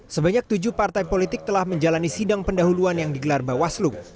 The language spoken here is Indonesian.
sebanyak tujuh partai politik telah menjalani sidang pendahuluan yang digelar bawaslu